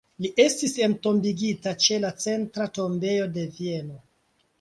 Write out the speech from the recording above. Li estis entombigita ĉe la Centra Tombejo de Vieno.